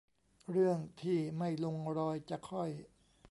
เรื่องที่ไม่ลงรอยจะค่อย